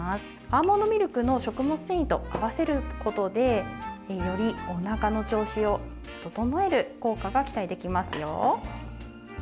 アーモンドミルクの食物繊維と合わせることでより、おなかの調子を整える効果が期待できますよ。